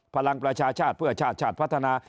พลังประชาชาติเพื่อชาติชาติพัฒนา